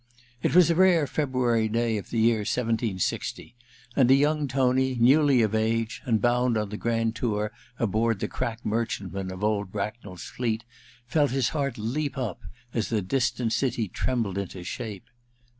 It was a rare February day of the year 1760, and young Tony, newly of age, and bound on the grand tour aboard the crack merchantman of old Bracknell's fleet, felt his heart leap up as the distant city trembled into shape.